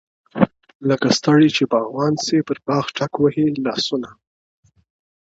لکه ستړی چي باغوان سي پر باغ ټک وهي لاسونه-